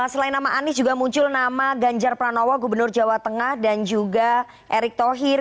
selain nama anies juga muncul nama ganjar pranowo gubernur jawa tengah dan juga erick thohir